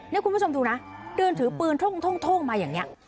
เนี่ยคุณประสงค์ดูนะเดินถือปืนโท่งมาแบบนี้